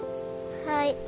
はい